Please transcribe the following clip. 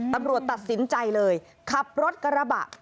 ตำรวจตัดสินใจเลยขับรถกระระบะ